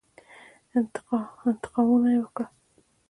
انتقاونه وکړل.